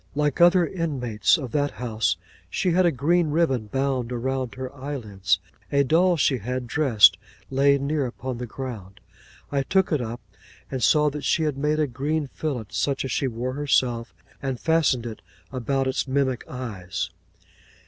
Like other inmates of that house, she had a green ribbon bound round her eyelids. A doll she had dressed lay near upon the ground. I took it up, and saw that she had made a green fillet such as she wore herself, and fastened it about its mimic eyes.